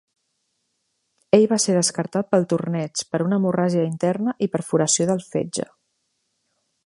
Ell va ser descartat del torneig per una hemorràgia interna i perforació del fetge.